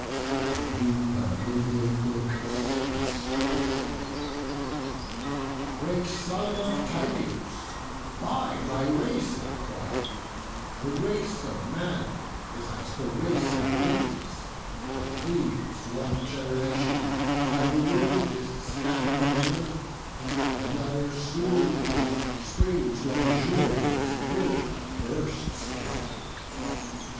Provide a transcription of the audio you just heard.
To whom the noble Glaucus thus replied: "Great son of Tydeus, why my race enquire? The race of man is as the race of leaves: Of leaves, one generation by the wind Is scattered on the earth; another soon In spring's luxuriant verdure bursts to light.